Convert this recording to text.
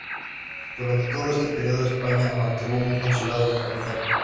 Durante todo este periodo, España mantuvo un consulado en la capital.